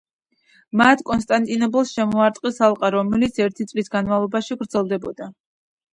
მათ კონსტანტინოპოლს შემოარტყეს ალყა, რომელიც ერთი წლის განმავლობაში გრძელდებოდა.